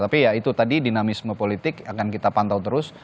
tapi ya itu tadi dinamisme politik akan kita pantau terus